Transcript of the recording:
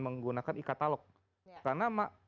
menggunakan e katalog karena